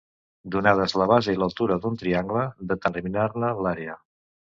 Donades la base i l'altura d'un triangle, determinar-ne l'àrea.